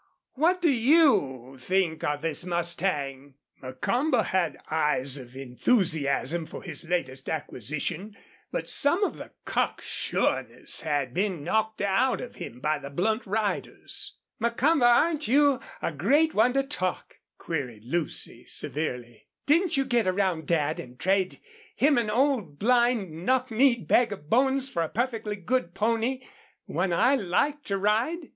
What do you think of this mustang?" Macomber had eyes of enthusiasm for his latest acquisition, but some of the cock sureness had been knocked out of him by the blunt riders. "Macomber, aren't you a great one to talk?" queried Lucy, severely. "Didn't you get around Dad and trade him an old, blind, knock kneed bag of bones for a perfectly good pony one I liked to ride?"